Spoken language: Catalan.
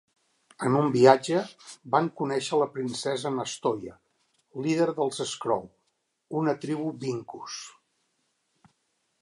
En un viatge, van conèixer la princesa Nastoya, líder dels Scrow, una tribu Vinkus.